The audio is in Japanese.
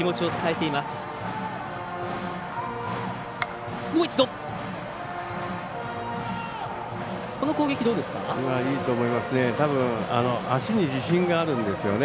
いいと思いますね。